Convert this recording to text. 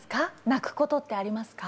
泣くことってありますか？